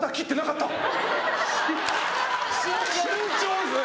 慎重ですね！